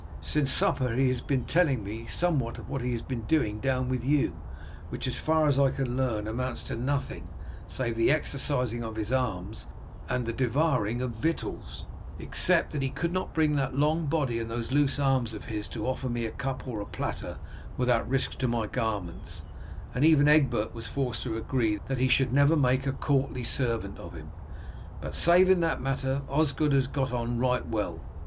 Since supper he has been telling me somewhat of what he has been doing down with you, which, as far as I can learn, amounts to nothing, save the exercising of his arms and the devouring of victuals." "He did all there was to do, Ulred, except that he could not bring that long body and those loose arms of his to offer me cup or platter without risk to my garments, and even Egbert was forced to agree that he should never be able to make a courtly servant of him; but save in that matter Osgod has got on right well.